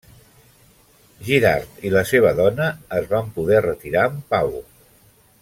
Girard i la seva dona es van poder retirar en pau.